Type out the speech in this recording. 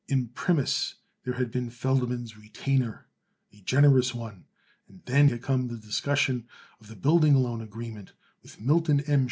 Imprimis, there had been Feldman's retainer, a generous one, and then had come the discussion of the building loan agreement with Milton M.